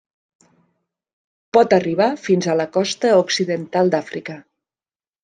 Pot arribar fins a la costa occidental d'Àfrica.